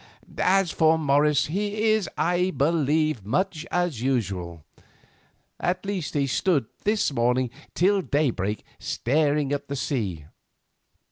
As for Morris, he is, I believe, much as usual; at least he stood this morning till daybreak staring at the sea.